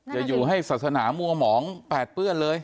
อย่าอยู่ให้ศาสนามัวหมองแปดเปื้อนเลย